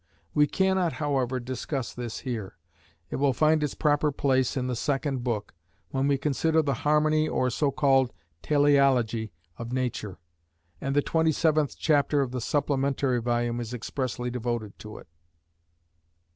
We cannot, however, discuss this here; it will find its proper place in the second book, when we consider the harmony or so called teleology of nature: and the 27th chapter of the supplementary volume is expressly devoted to it.